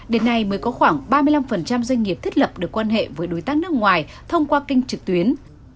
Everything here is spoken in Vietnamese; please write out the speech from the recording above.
đến nay mới có khoảng ba mươi năm doanh nghiệp thiết lập được quan hệ với đối tác nước ngoài thông qua kênh trực tuyến